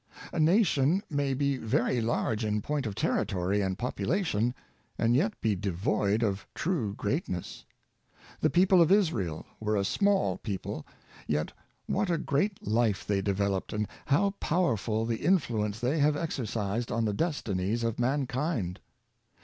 A nation may be very large in point of territory and popu lation, and yet be devoid of true greatness. The peo Decline and Fall of Nalions, 85 pie of Israel were a small people, yet what a great life they developed, and how powerful the influence they have exercised on the destinies of mankind!